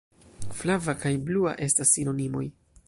Flava kaj blua estas sinonimoj!